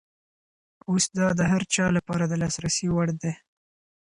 اوس دا د هر چا لپاره د لاسرسي وړ دی.